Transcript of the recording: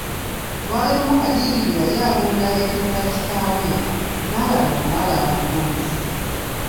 Lwali lumu Kadiidi bwe yali ng'alunda ente z'akitaawe, n'alaba omuwala omulungi.